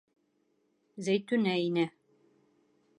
Зәйтүнә инә.